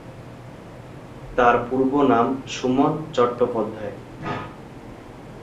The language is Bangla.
তার পূর্বনাম সুমন চট্টোপাধ্যায়।